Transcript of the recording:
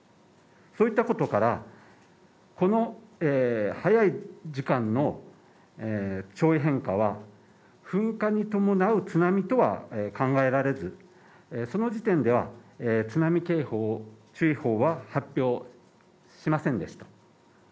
そういったことからこの早い時間の潮位変化は、噴火に伴う津波とは考えられずその時点では津波警報注意報は発表しませんでした。